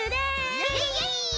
イエイイエイ！